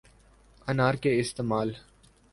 انار کے استعمال